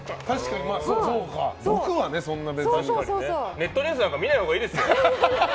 ネットニュースなんか見ないほうがいいですよ。